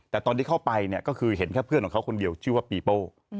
แต่ตอนที่เข้าไปเนี่ยก็คือเห็นแค่เพื่อนของเขาคนเดียวชื่อว่าปีโป้